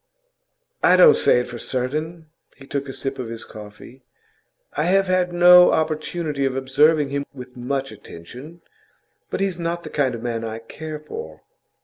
'I don't say it for certain.' He took a sip of his coffee. 'I have had no opportunity of observing him with much attention. But he's not the kind of man I care for.